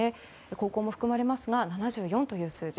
高校も含まれますが７４という数字。